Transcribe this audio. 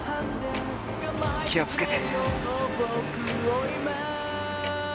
気をつけて。